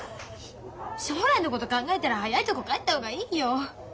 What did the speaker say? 将来のこと考えたら早いとこ帰った方がいいよ。